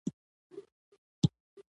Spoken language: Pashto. دې پړاوونو ته د بودیجې دوران وایي.